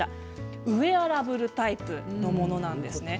ウエアラブルタイプのものなんです。